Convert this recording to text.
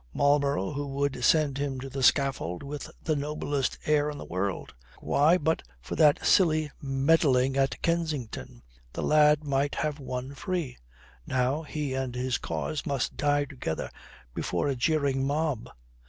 Marlborough, who would send him to the scaffold with the noblest air in the world! Why, but for that silly meddling at Kensington, the lad might have won free. Now he and his cause must die together before a jeering mob.